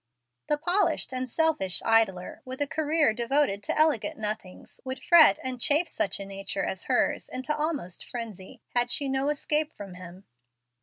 The polished and selfish idler, with a career devoted to elegant nothings, would fret and chafe such a nature as hers into almost frenzy, had she no escape from him.